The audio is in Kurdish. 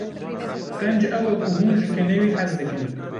Qenc ew e ku hûn ji kenê wî hez dikin.